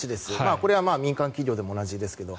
これは民間企業でも同じですけど。